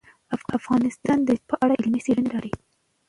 افغانستان د ژمی په اړه علمي څېړنې لري.